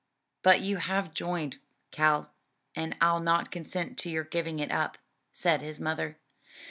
"But you have joined, Cal, and I'll not consent to your giving it up," said his mother.